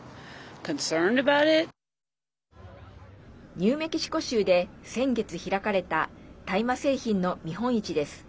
ニューメキシコ州で先月開かれた大麻製品の見本市です。